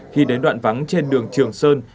khi đến đoạn vắng trên đường trường sơn